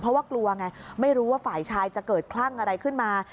เพราะว่ากลัวไงไม่รู้ว่าฝ่ายชายจะเกิดคลั่งอะไรขึ้นมา